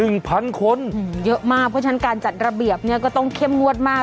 พันคนอืมเยอะมากเพราะฉะนั้นการจัดระเบียบเนี้ยก็ต้องเข้มงวดมาก